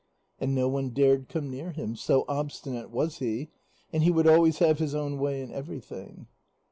And no one dared come near him, so obstinate was he, and he would always have his own way in everything.